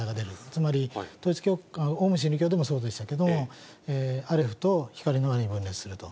つまりオウム真理教でもそうでしたけど、アレフとひかりのわに分裂すると。